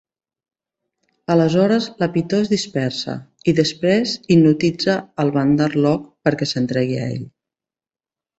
Aleshores la pitó es dispersa, i després hipnotitza el Bandar-log perquè s'entregui a ell.